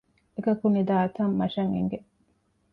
އެ ކަކުނި ދާ ތަން މަށަށް އެނގެ